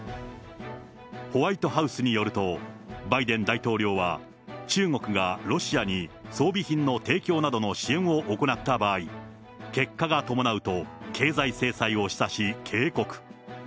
ホワイトハウスによると、バイデン大統領は、中国がロシアに装備品の提供などの支援を行った場合、結果が伴うと経済制裁を示唆し、警告。